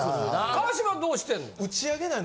川島どうしてんの？